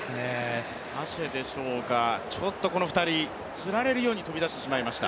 アシェでしょうか、この２人、つられるように飛び出してしましました。